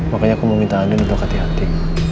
makanya aku mau minta anin untuk hati hati